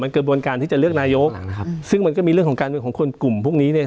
กระบวนการที่จะเลือกนายกนะครับซึ่งมันก็มีเรื่องของการเมืองของคนกลุ่มพวกนี้เนี่ย